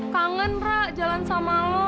kangen ra jalan sama lo